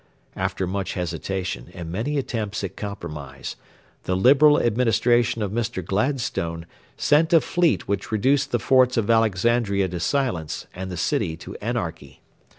After much hesitation and many attempts at compromise, the Liberal Administration of Mr. Gladstone sent a fleet which reduced the forts of Alexandria to silence and the city to anarchy.